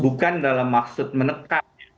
bukan dalam maksud menekan